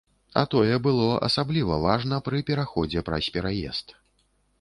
А тое было асабліва важна пры пераходзе праз пераезд.